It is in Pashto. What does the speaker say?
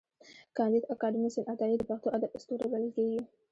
کانديد اکاډميسن عطايي د پښتو ادب ستوری بلل کېږي.